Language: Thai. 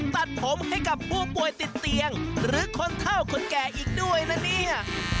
ตัดผมให้กับผู้ป่วยติดเตียงหรือคนเท่าคนแก่อีกด้วยนะเนี่ย